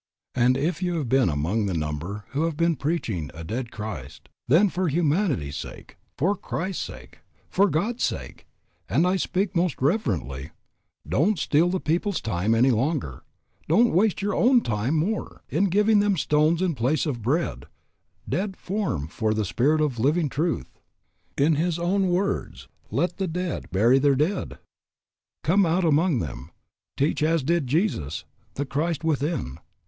And if you have been among the number who have been preaching a dead Christ, then for humanity's sake, for Christ's sake, for God's sake, and I speak most reverently, don't steal the people's time any longer, don't waste your own time more, in giving them stones in place of bread, dead form for the spirit of living truth. In his own words, "let the dead bury their dead." Come out from among them. Teach as did Jesus, the living Christ. Teach as did Jesus, the Christ within.